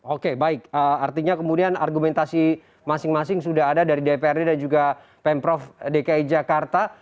oke baik artinya kemudian argumentasi masing masing sudah ada dari dprd dan juga pemprov dki jakarta